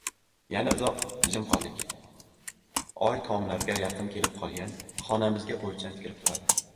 Yana uzoq jim qoldik. Oy tomlarga yaqin kelib qolgan, xonamizga oʻychan tikilib turadi.